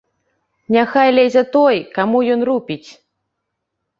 Няхай лезе той, каму ён рупіць.